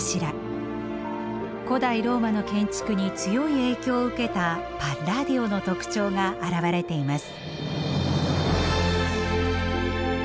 古代ローマの建築に強い影響を受けたパッラーディオの特徴があらわれています。